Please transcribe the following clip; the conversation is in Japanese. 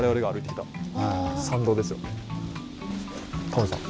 タモリさん